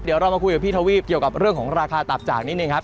เดี๋ยวเรามาคุยกับพี่ทวีปเกี่ยวกับเรื่องของราคาตับจากนิดนึงครับ